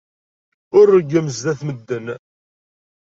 Ur reggem sdat medden.